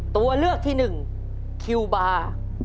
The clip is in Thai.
ตัวเลือกที่หนึ่งคิวบาร์